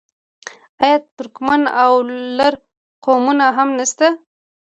آیا ترکمن او لر قومونه هم نشته؟